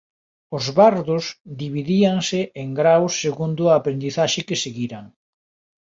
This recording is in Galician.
Os bardos dividíanse en graos segundo a aprendizaxe que seguiran.